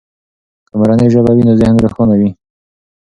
که مورنۍ ژبه وي نو ذهن روښانه وي.